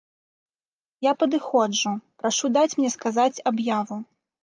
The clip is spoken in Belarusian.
Я падыходжу, прашу даць мне сказаць аб'яву.